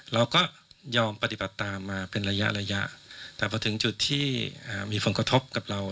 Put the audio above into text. เราก็ยอมปฏิบัติตามมาเป็นระยะระยะแต่พอถึงจุดที่มีผลกระทบกับเรา